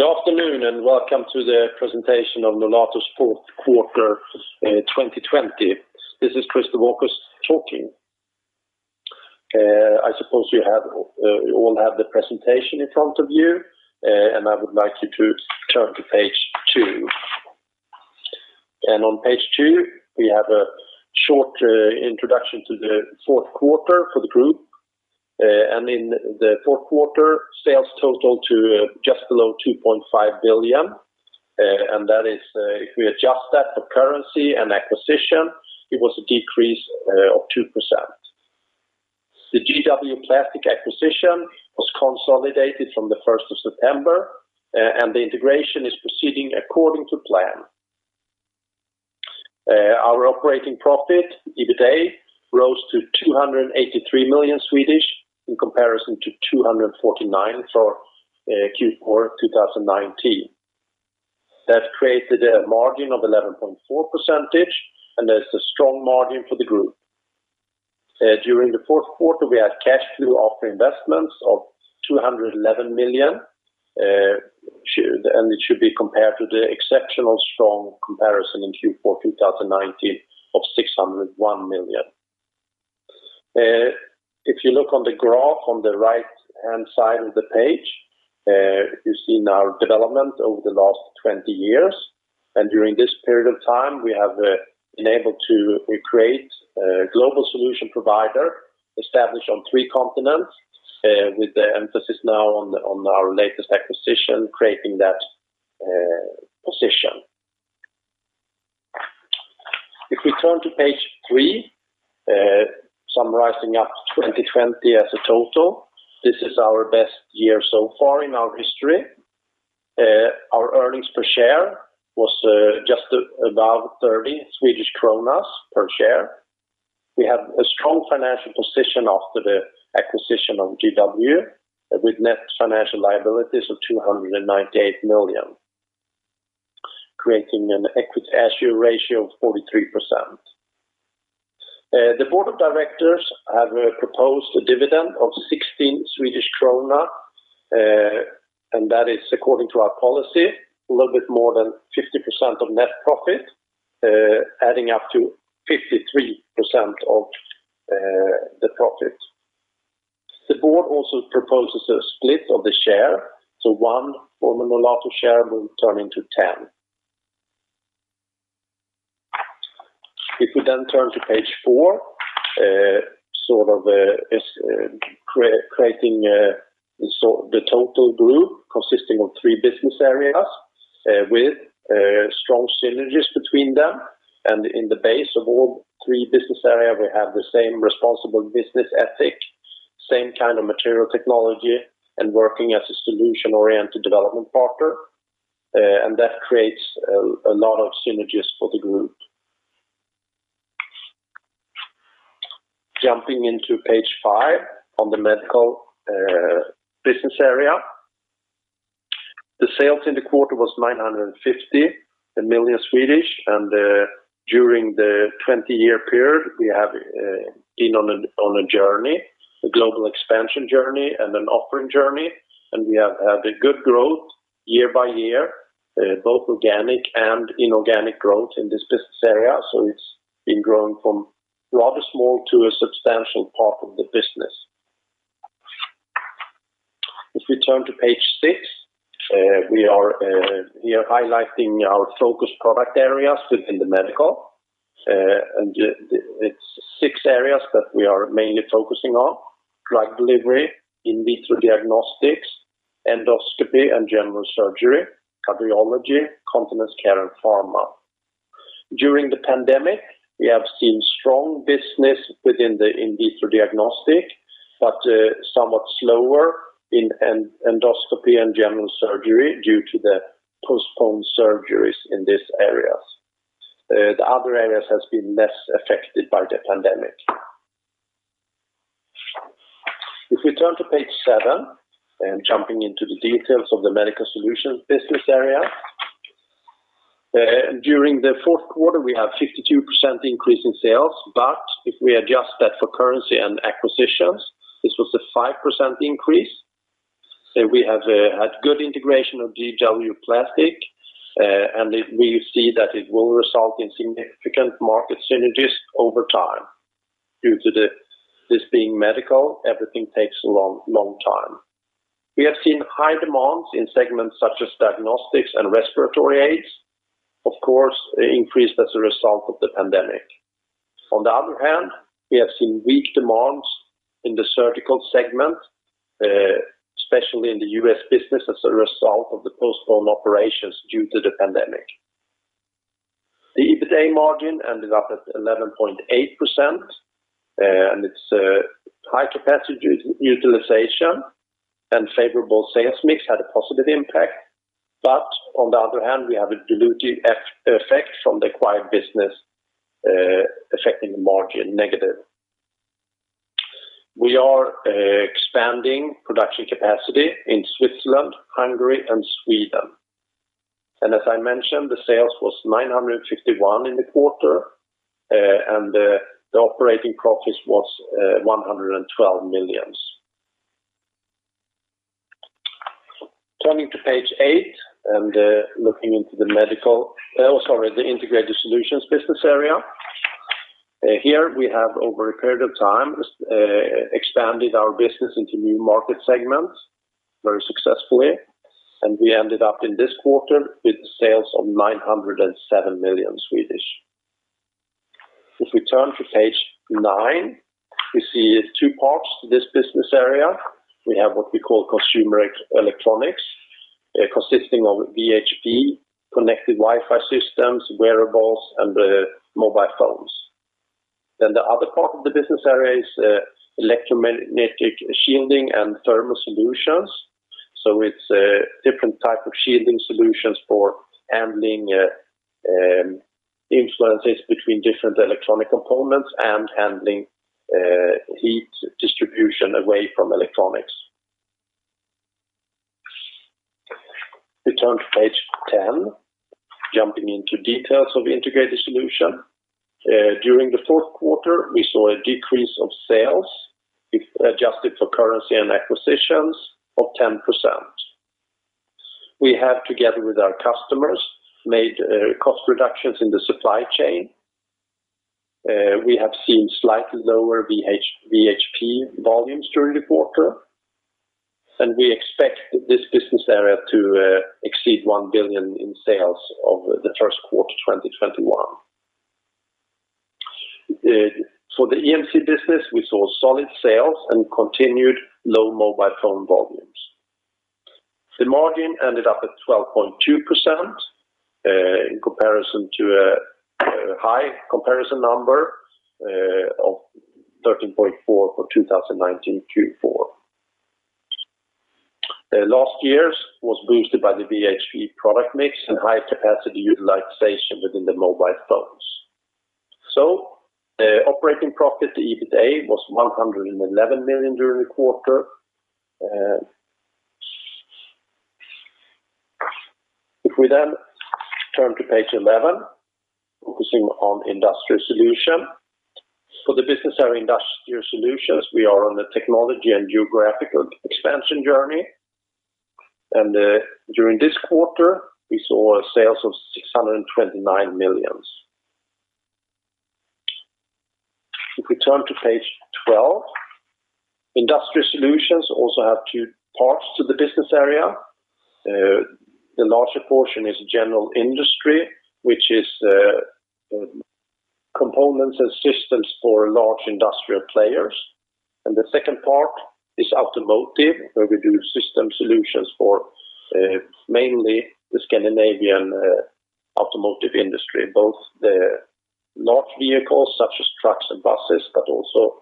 Good afternoon, welcome to the presentation of Nolato's fourth quarter 2020. This is Christer Wahlquist talking. I suppose you all have the presentation in front of you, and I would like you to turn to page two. On page two, we have a short introduction to the fourth quarter for the group. In the fourth quarter, sales total to just below 2.5 billion. That is if we adjust that for currency and acquisition, it was a decrease of 2%. The GW Plastics acquisition was consolidated from the 1st of September, and the integration is proceeding according to plan. Our operating profit, EBITDA, rose to 283 million in comparison to 249 million for Q4 2019. That created a margin of 11.4%, and that's a strong margin for the group. During the fourth quarter, we had cash flow after investments of 211 million, and it should be compared to the exceptional strong comparison in Q4 2019 of 601 million. If you look on the graph on the right-hand side of the page, you've seen our development over the last 20 years. During this period of time, we have been able to create a global solution provider established on three continents, with the emphasis now on our latest acquisition, creating that position. If we turn to page three, summarizing up 2020 as a total, this is our best year so far in our history. Our earnings per share was just above 30 Swedish kronor per share. We have a strong financial position after the acquisition of GW with net financial liabilities of 298 million, creating an equity ratio of 43%. The board of directors have proposed a dividend of 16 Swedish krona, that is according to our policy, a little bit more than 50% of net profit, adding up to 53% of the profit. One former Nolato share will turn into 10. If we turn to page four, creating the total group consisting of three business areas with strong synergies between them. In the base of all three business areas, we have the same responsible business ethic, same kind of material technology, and working as a solution-oriented development partner. That creates a lot of synergies for the group. Jumping into page five on the Medical business area. The sales in the quarter was 950 million. During the 20-year period, we have been on a journey, a global expansion journey, and an offering journey, and we have had a good growth year by year, both organic and inorganic growth in this business area. It's been growing from rather small to a substantial part of the business. If we turn to page six, we are here highlighting our focused product areas within the Medical. It's six areas that we are mainly focusing on: drug delivery, In vitro diagnostics, endoscopy and general surgery, cardiology, continence care, and pharma. During the pandemic, we have seen strong business within the In vitro diagnostics, but somewhat slower in endoscopy and general surgery due to the postponed surgeries in these areas. The other areas have been less affected by the pandemic. If we turn to page seven, and jumping into the details of the Medical Solutions business area. During the fourth quarter, we have 52% increase in sales, but if we adjust that for currency and acquisitions, this was a 5% increase. We have had good integration of GW Plastics, and we see that it will result in significant market synergies over time. Due to this being medical, everything takes a long time. We have seen high demands in segments such as diagnostics and respiratory aids, of course, increased as a result of the pandemic. On the other hand, we have seen weak demands in the surgical segment, especially in the U.S. business as a result of the postponed operations due to the pandemic. The EBITDA margin ended up at 11.8%, and its high capacity utilization and favorable sales mix had a positive impact. On the other hand, we have a dilutive effect from the acquired business affecting the margin negative. We are expanding production capacity in Switzerland, Hungary, and Sweden. As I mentioned, the sales was 951 million in the quarter, and the operating profits was 112 million. Turning to page eight and looking into the Integrated Solutions business area. Here we have, over a period of time, expanded our business into new market segments very successfully, and we ended up in this quarter with sales of 907 million. If we turn to page nine, we see two parts to this business area. We have what we call consumer electronics, consisting of VHP, connected Wi-Fi systems, wearables, and mobile phones. The other part of the business area is electromagnetic shielding and thermal solutions. It's a different type of shielding solutions for handling influences between different electronic components and handling heat distribution away from electronics. If we turn to page 10, jumping into details of the Integrated Solutions. During the fourth quarter, we saw a decrease of sales, adjusted for currency and acquisitions of 10%. We have, together with our customers, made cost reductions in the supply chain. We have seen slightly lower VHP volumes during the quarter, and we expect this business area to exceed 1 billion in sales over the first quarter 2021. For the EMC business, we saw solid sales and continued low mobile phone volumes. The margin ended up at 12.2% in comparison to a high comparison number of 13.4% for 2019 Q4. Last year's was boosted by the VHP product mix and high capacity utilization within the mobile phones. Operating profit, the EBITDA, was 111 million during the quarter. Turning to page 11, focusing on Industrial Solutions. For the business area Industrial Solutions, we are on the technology and geographical expansion journey, and during this quarter, we saw a sales of 629 million. Turning to page 12, Industrial Solutions also have two parts to the business area. The larger portion is general industry, which is components and systems for large industrial players. The second part is automotive, where we do system solutions for mainly the Scandinavian automotive industry, both the large vehicles such as trucks and buses, but also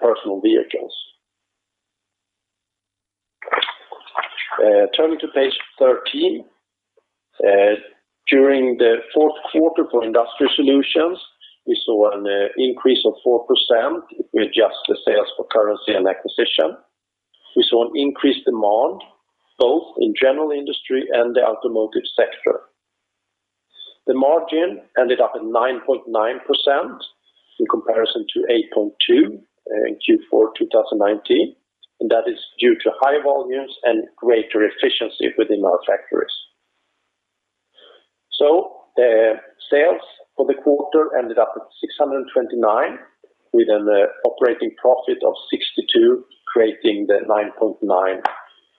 personal vehicles. Turning to page 13. During the fourth quarter for Industrial Solutions, we saw an increase of 4% if we adjust the sales for currency and acquisition. We saw an increased demand both in general industry and the automotive sector. The margin ended up at 9.9% in comparison to 8.2% in Q4 2019. That is due to high volumes and greater efficiency within our factories. The sales for the quarter ended up at 629 with an operating profit of 62, creating the 9.9%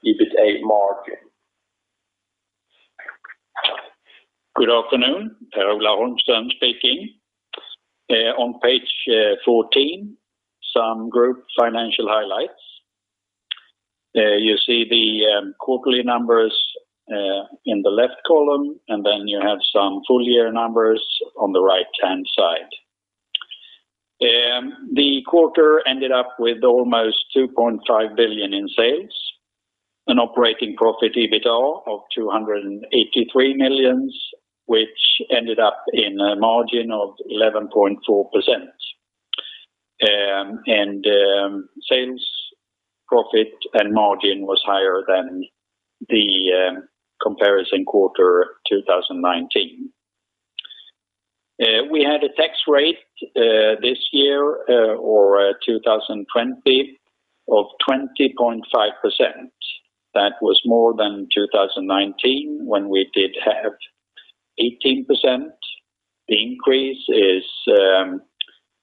EBITDA margin. Good afternoon. Per-Ola Holmström speaking. On page 14, some group financial highlights. You see the quarterly numbers in the left column, and then you have some full year numbers on the right-hand side. The quarter ended up with almost 2.5 billion in sales, an operating profit, EBITDA, of 283 million, which ended up in a margin of 11.4%. Sales profit and margin was higher than the comparison quarter 2019. We had a tax rate this year, or 2020, of 20.5%. That was more than 2019 when we did have 18%. The increase is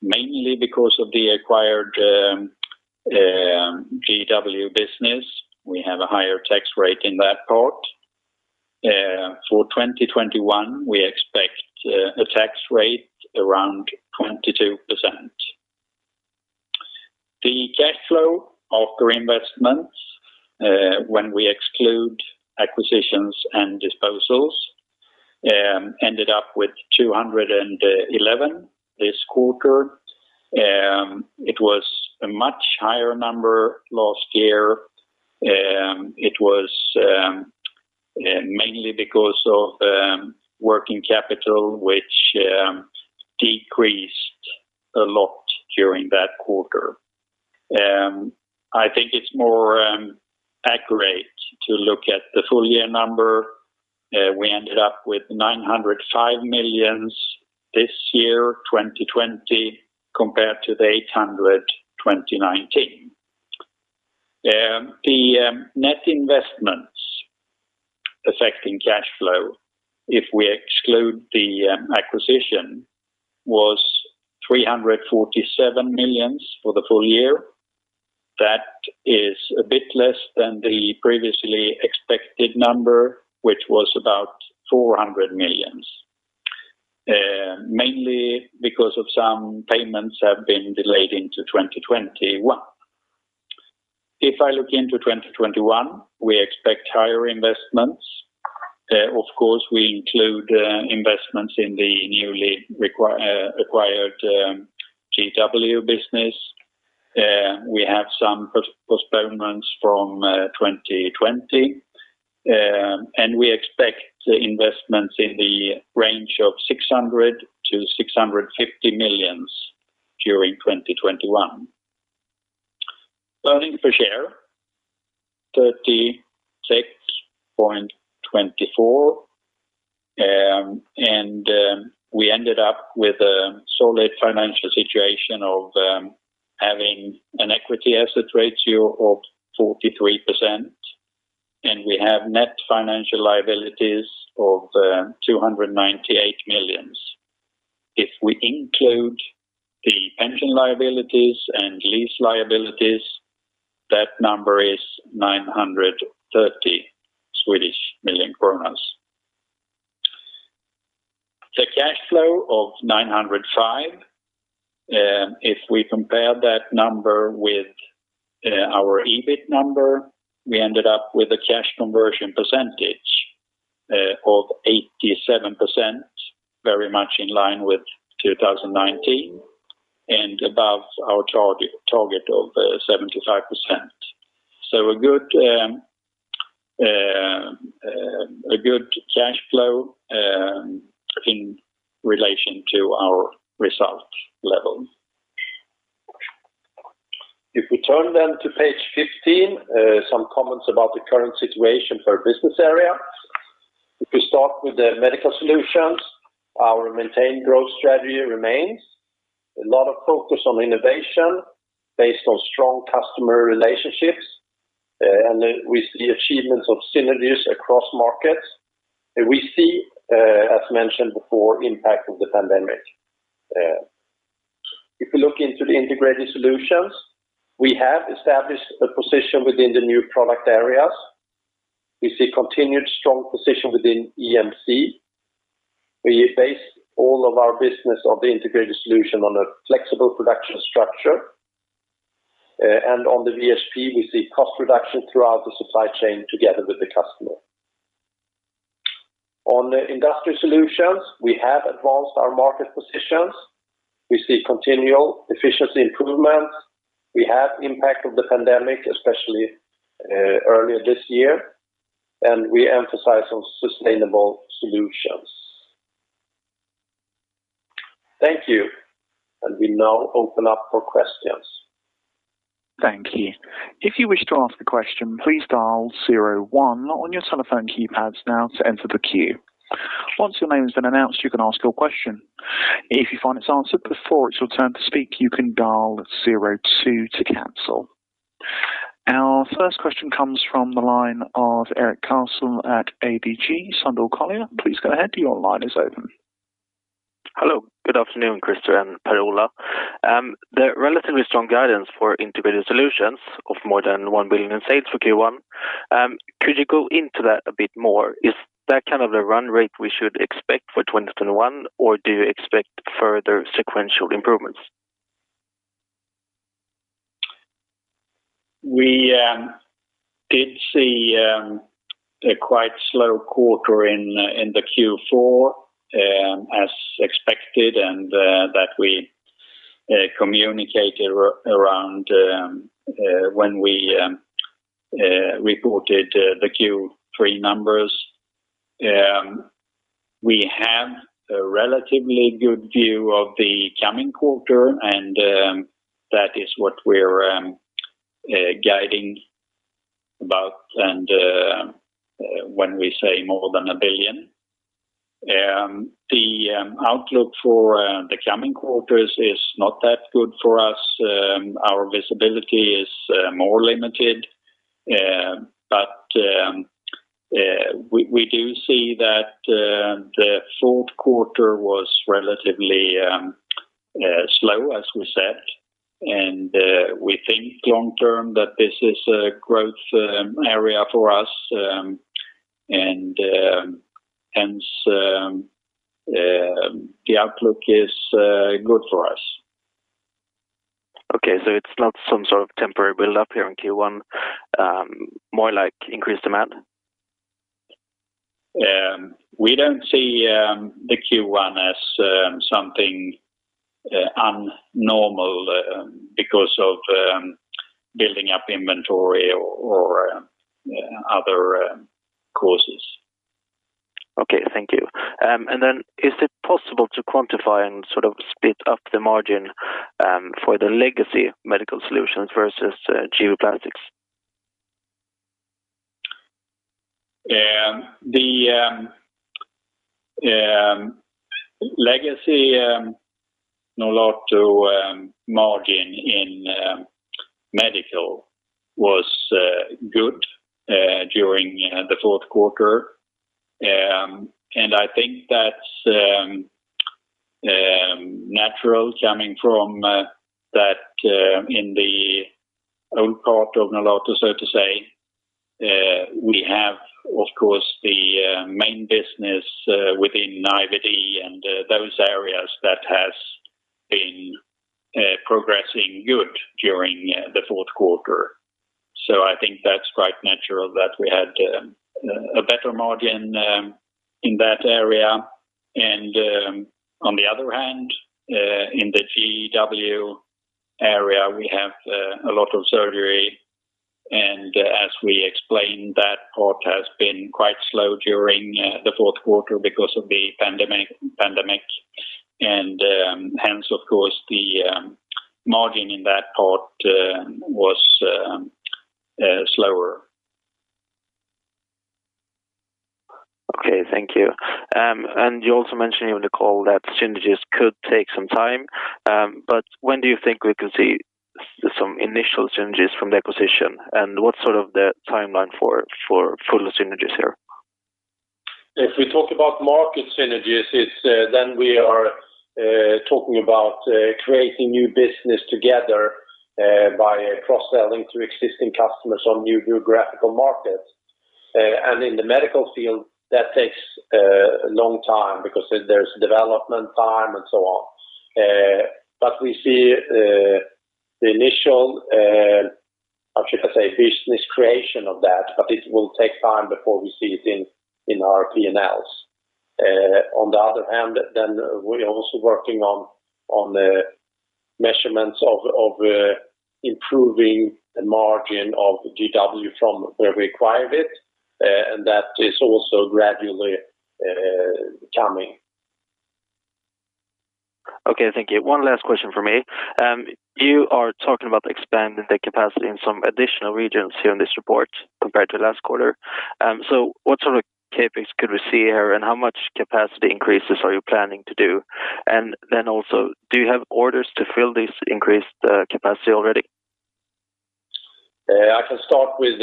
mainly because of the acquired GW business. We have a higher tax rate in that part. For 2021, we expect a tax rate around 22%. The cash flow after investments, when we exclude acquisitions and disposals, ended up with 211 this quarter. It was a much higher number last year. It was mainly because of working capital, which decreased a lot quarter. I think it's more accurate to look at the full year number. We ended up with 905 million this year, 2020, compared to 800 million, 2019. The net investments affecting cash flow, if we exclude the acquisition, was 347 million for the full year. That is a bit less than the previously expected number, which was about 400 million. Mainly because of some payments have been delayed into 2021. If I look into 2021, we expect higher investments. Of course, we include investments in the newly acquired GW business. We have some postponements from 2020, and we expect investments in the range of 600 million-650 million during 2021. Earning per share, SEK 36.24. We ended up with a solid financial situation of having an equity asset ratio of 43%, and we have net financial liabilities of 298 million. If we include the pension liabilities and lease liabilities, that number is SEK 930 million. The cash flow of 905, if we compare that number with our EBIT number, we ended up with a cash conversion percentage of 87%, very much in line with 2019 and above our target of 75%. A good cash flow in relation to our results level. If we turn then to page 15, some comments about the current situation for business area. If we start with the Medical Solutions, our maintained growth strategy remains. A lot of focus on innovation based on strong customer relationships, and with the achievements of synergies across markets. We see, as mentioned before, impact of the pandemic. If you look into the Integrated Solutions, we have established a position within the new product areas. We see continued strong position within EMC. We base all of our business on the Integrated Solutions on a flexible production structure. On the VHP, we see cost reduction throughout the supply chain together with the customer. On the Industrial Solutions, we have advanced our market positions. We see continual efficiency improvements. We have impact of the pandemic, especially earlier this year, and we emphasize on sustainable solutions. Thank you. We now open up for questions. Thank you. If you wish to ask a question, please dial zero one on your telephone keypads now to enter the queue. Once your name has been announced, you can ask your question. If you find it's answered before it's your turn to speak, you can dial zero two to cancel. Our first question comes from the line of Erik Karlsson at ABG Sundal Collier. Please go ahead. Your line is open. Hello. Good afternoon Christer and Per-Ola. The relatively strong guidance for Integrated Solutions of more than 1 billion in sales for Q1, could you go into that a bit more? Is that kind of the run rate we should expect for 2021 or do you expect further sequential improvements? We did see a quite slow quarter in the Q4, as expected, and that we communicated around when we reported the Q3 numbers. We have a relatively good view of the coming quarter, and that is what we're guiding about and when we say more than 1 billion. The outlook for the coming quarters is not that good for us. Our visibility is more limited. We do see that the fourth quarter was relatively slow, as we said. We think long-term that this is a growth area for us, and hence the outlook is good for us. Okay, it's not some sort of temporary buildup here in Q1, more like increased demand? We don't see the Q1 as something un-normal because of building up inventory or other causes. Okay, thank you. Then is it possible to quantify and sort of split up the margin for the legacy Medical Solutions versus GW Plastics? Legacy Nolato margin in medical was good during the fourth quarter. I think that's natural coming from that in the old part of Nolato, so to say, we have, of course, the main business within IVD and those areas that has been progressing good during the fourth quarter. I think that's quite natural that we had a better margin in that area. On the other hand, in the GW area, we have a lot of surgery. As we explained, that part has been quite slow during the fourth quarter because of the pandemic. Hence, of course, the margin in that part was slower. Okay, thank you. You also mentioned in the call that synergies could take some time. When do you think we could see some initial synergies from the acquisition, and what's sort of the timeline for full synergies there? If we talk about market synergies, then we are talking about creating new business together by cross-selling to existing customers on new geographical markets. In the medical field, that takes a long time because there's development time and so on. We see the initial, how should I say, business creation of that, but it will take time before we see it in our P&Ls. On the other hand, we're also working on the measurements of improving the margin of GW from where we acquired it. That is also gradually coming. Okay, thank you. One last question from me. You are talking about expanding the capacity in some additional regions here in this report compared to last quarter. What sort of CapEx could we see here, and how much capacity increases are you planning to do? Do you have orders to fill this increased capacity already? I can start with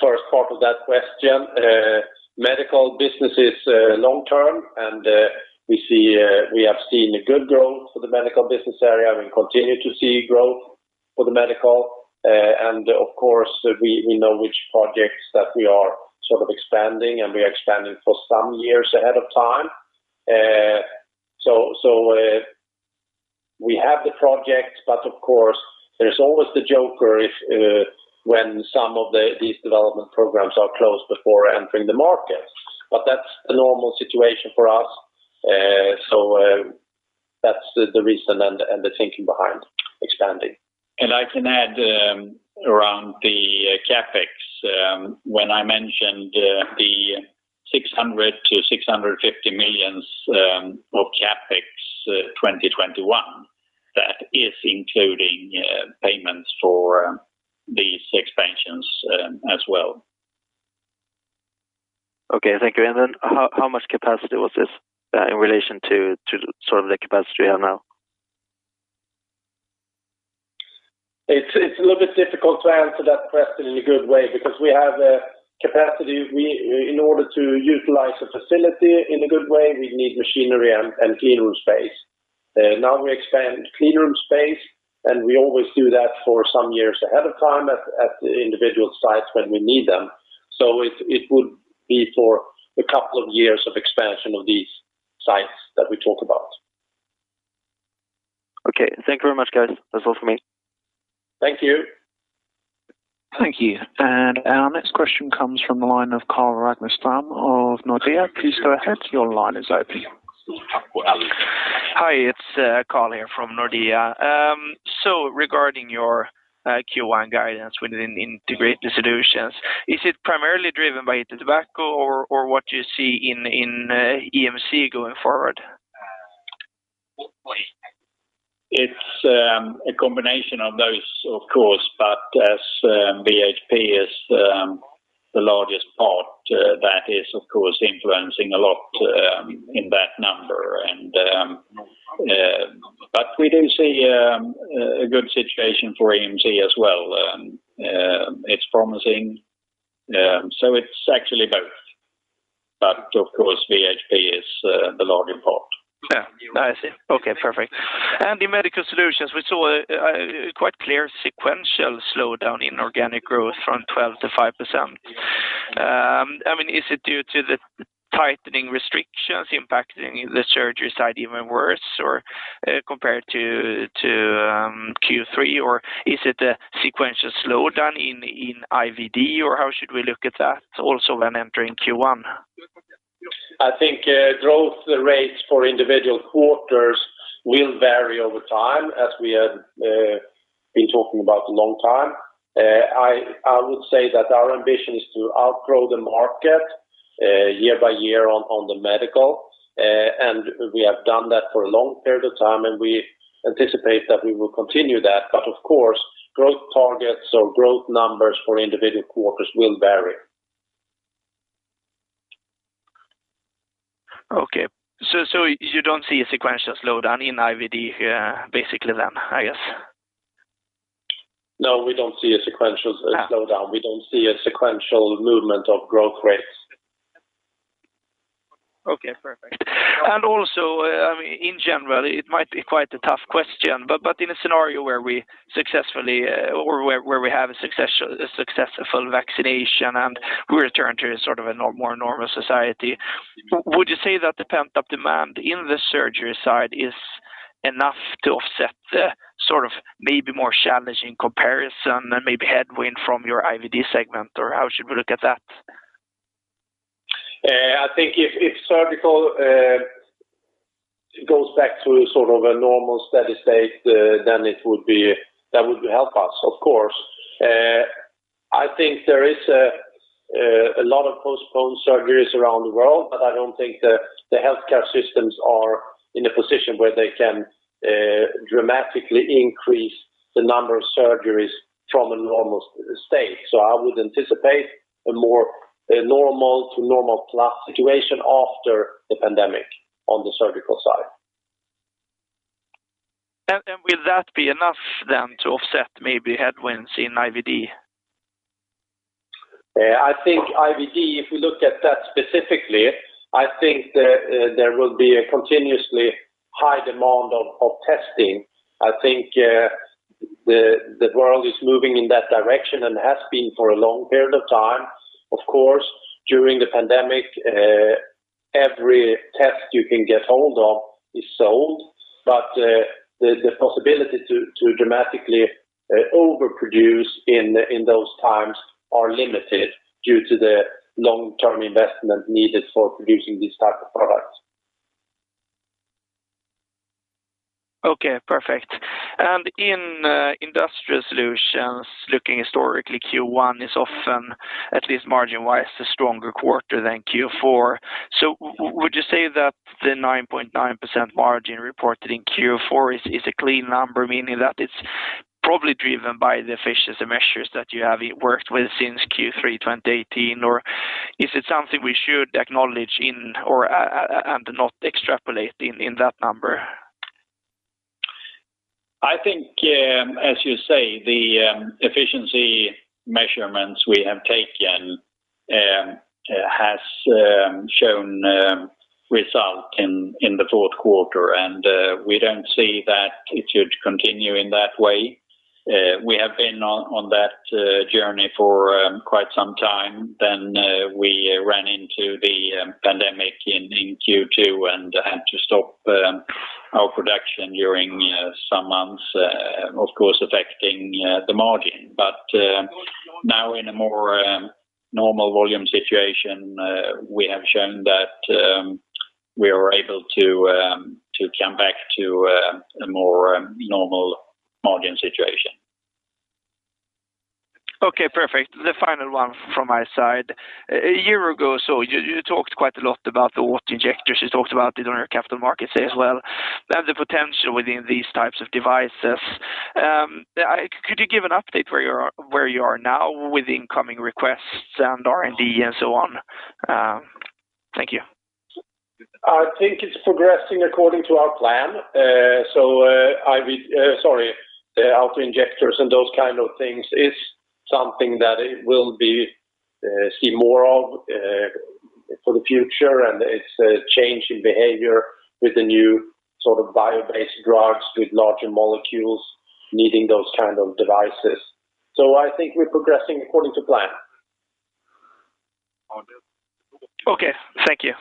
the first part of that question. Medical business is long-term, and we have seen a good growth for the Medical business area. We continue to see growth for the Medical. Of course, we know which projects that we are sort of expanding, and we are expanding for some years ahead of time. We have the project, but of course, there's always the joker if when some of these development programs are closed before entering the market. That's a normal situation for us. That's the reason and the thinking behind expanding. I can add around the CapEx. When I mentioned the 600 million-650 million of CapEx 2021, that is including payments for these expansions as well. Okay thank you. How much capacity was this in relation to sort of the capacity you have now? It's a little bit difficult to answer that question in a good way because we have a capacity. In order to utilize the facility in a good way, we need machinery and clean room space. Now we expand clean room space, and we always do that for some years ahead of time at the individual sites when we need them. It would be for a couple of years of expansion of these sites that we talk about. Okay. Thank you very much guys. That's all for me. Thank you. Thank you. Our next question comes from the line of Carl Ragnerstam of Nordea. Please go ahead. Hi, it's Carl here from Nordea. Regarding your Q1 guidance within Integrated Solutions, is it primarily driven by the tobacco or what you see in EMC going forward? It's a combination of those, of course, as VHP is the largest part, that is, of course, influencing a lot in that number. We do see a good situation for EMC as well. It's promising. It's actually both. Of course, VHP is the larger part. Yeah. I see. Okay perfect. In Medical Solutions, we saw a quite clear sequential slowdown in organic growth from 12%-5%. Is it due to the tightening restrictions impacting the surgery side even worse compared to Q3? Or is it a sequential slowdown in IVD, or how should we look at that also when entering Q1? I think growth rates for individual quarters will vary over time as we have been talking about a long time. I would say that our ambition is to outgrow the market year by year on the Medical. We have done that for a long period of time, and we anticipate that we will continue that, but of course, growth targets or growth numbers for individual quarters will vary. Okay. You don't see a sequential slowdown in IVD here, basically then, I guess? No, we don't see a sequential slowdown. We don't see a sequential movement of growth rates. Okay perfect. Also in general, it might be quite a tough question, but in a scenario where we have a successful vaccination and we return to a more normal society, would you say that the pent-up demand in the surgery side is enough to offset the maybe more challenging comparison than maybe headwind from your IVD segment or how should we look at that? I think if surgical goes back to a normal steady state, that would help us, of course. I think there is a lot of postponed surgeries around the world, I don't think the healthcare systems are in a position where they can dramatically increase the number of surgeries from a normal state. I would anticipate a more normal to normal plus situation after the pandemic on the surgical side. Will that be enough then to offset maybe headwinds in IVD? I think IVD, if we look at that specifically, I think there will be a continuously high demand of testing. I think the world is moving in that direction and has been for a long period of time. Of course, during the pandemic every test you can get hold of is sold, but the possibility to dramatically overproduce in those times are limited due to the long-term investment needed for producing these type of products. Okay, perfect. In Industrial Solutions, looking historically, Q1 is often, at least margin-wise, a stronger quarter than Q4. Would you say that the 9.9% margin reported in Q4 is a clean number, meaning that it's probably driven by the efficiency measures that you have worked with since Q3 2018, or is it something we should acknowledge in or not extrapolate in that number? I think, as you say, the efficiency measurements we have taken has shown results in the fourth quarter. We don't see that it should continue in that way. We have been on that journey for quite some time. We ran into the pandemic in Q2 and had to stop our production during some months, of course, affecting the margin. Now in a more normal volume situation, we have shown that we are able to come back to a more normal margin situation. Okay perfect. The final one from my side. A year ago or so, you talked quite a lot about the auto-injectors. You talked about it on your capital markets day as well, and the potential within these types of devices. Could you give an update where you are now with incoming requests and R&D and so on? Thank you. I think it's progressing according to our plan. The auto-injectors and those kinds of things is something that we will see more of for the future. It's a change in behavior with the new bio-based drugs with larger molecules needing those kinds of devices. I think we're progressing according to plan. Okay. Thank you.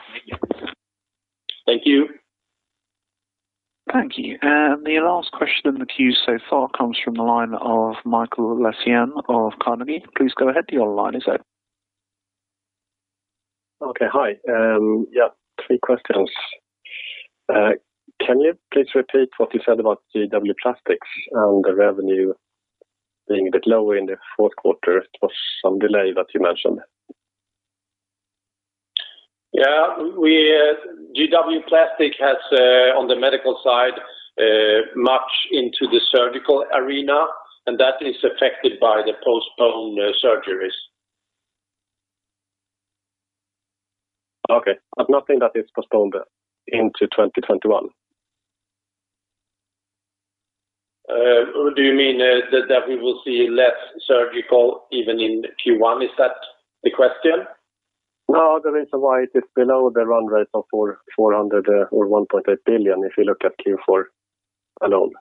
Thank you. Thank you. The last question in the queue so far comes from the line of Mikael Laséen of Carnegie. Please go ahead. You're online sir. Okay. Hi. Three questions. Can you please repeat what you said about GW Plastics and the revenue being a bit low in the fourth quarter? It was some delay that you mentioned. Yeah. GW Plastics has, on the medical side, much into the surgical arena, and that is affected by the postponed surgeries. Okay. Nothing that is postponed into 2021? Do you mean that we will see less surgical even in Q1? Is that the question? The reason why it is below the run rate of 400 or 1.8 billion, if you look at Q4 alone.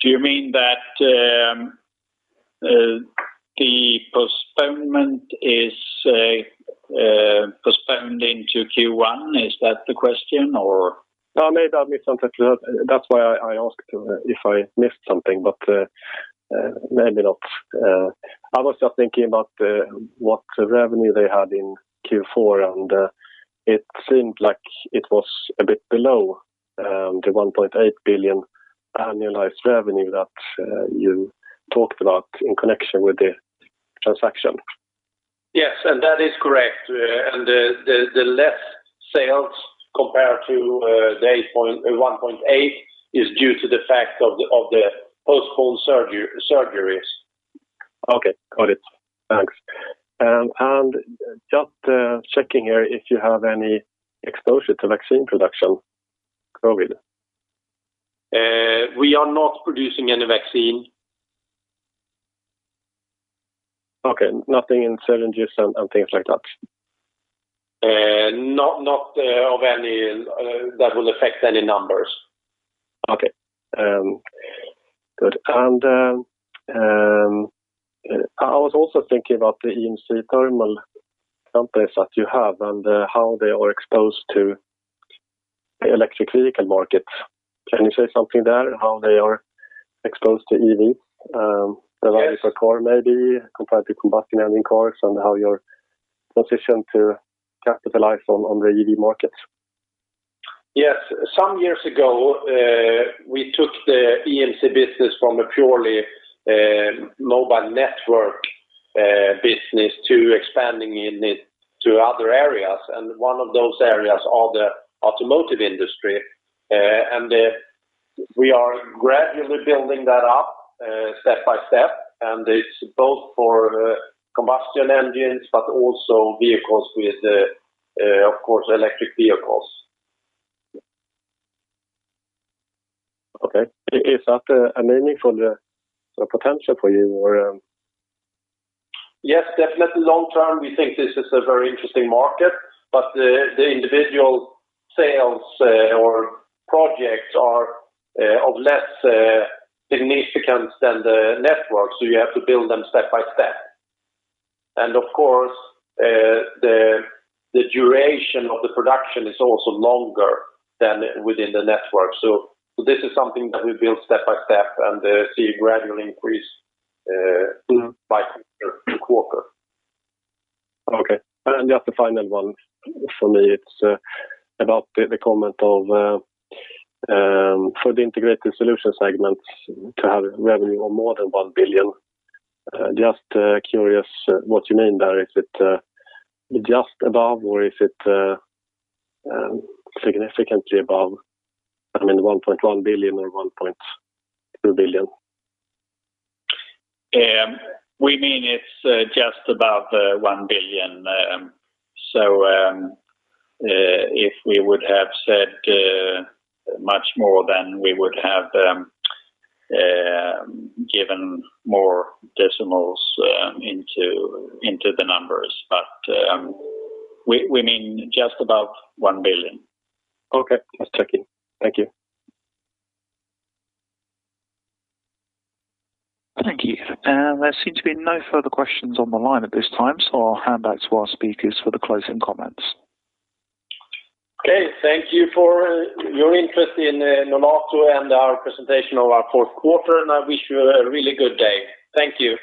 Do you mean that the postponement is postponed into Q1? Is that the question? No, maybe I missed something. That's why I asked if I missed something. Maybe not. I was just thinking about what revenue they had in Q4. It seemed like it was a bit below the 1.8 billion annualized revenue that you talked about in connection with the transaction. Yes and that is correct. The less sales compared to the 1.8 is due to the fact of the postponed surgeries. Okay, got it. Thanks. Just checking here if you have any exposure to vaccine production for COVID. We are not producing any vaccine. Okay. Nothing in syringes and things like that? Not of any that will affect any numbers. Okay. Good. I was also thinking about the EMC thermal components that you have and how they are exposed to the electric vehicle market. Can you say something there, how they are exposed to EVs? The value per car maybe compared to combustion engine cars and how you're positioned to capitalize on the EV market. Yes. Some years ago, we took the EMC business from a purely mobile network business to expanding it to other areas. One of those areas are the automotive industry. We are gradually building that up step by step. It's both for combustion engines, but also vehicles with, of course, electric vehicles. Okay. Is that a meaningful potential for you? Yes, definitely long term, we think this is a very interesting market, but the individual sales or projects are of less significance than the network. You have to build them step by step. Of course, the duration of the production is also longer than within the network. This is something that we build step by step and see a gradual increase by quarter to quarter. Okay. Just a final one for me. It's about the comment of for the Integrated Solutions segment to have revenue of more than 1 billion. Just curious what you mean there. Is it just above or is it significantly above? I mean, 1.1 billion or 1.2 billion? We mean it's just above 1 billion. If we would have said much more than we would have given more decimals into the numbers. We mean just above 1 billion. Okay. Just checking. Thank you. Thank you. There seem to be no further questions on the line at this time, so I'll hand back to our speakers for the closing comments. Okay. Thank you for your interest in Nolato and our presentation of our fourth quarter, and I wish you a really good day. Thank you.